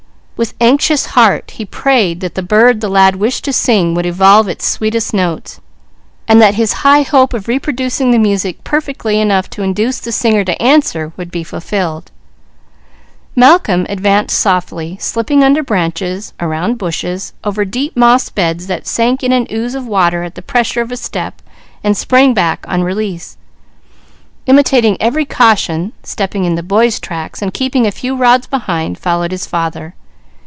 With anxious heart he prayed that the bird the lad wished to sing would evolve its sweetest notes, and that his high hope of reproducing the music perfectly enough to induce the singer to answer would be fulfilled. Malcolm advanced softly, slipping under branches, around bushes, over deep moss beds that sank in an ooze of water at the pressure of a step and sprung back on release. Imitating every caution, stepping in the boy's tracks, and keeping a few rods behind, followed his father.